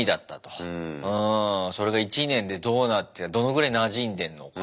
うんそれが１年でどうなってどのぐらいなじんでんのか。